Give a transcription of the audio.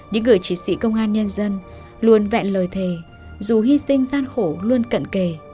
những người chiến sĩ công an nhân dân luôn vẹn lời thề dù hy sinh gian khổ luôn cận kề